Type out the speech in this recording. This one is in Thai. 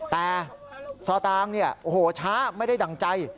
แต่สตางค์เนี่ยโอ้โหช้าไม่ได้ดั่งใจ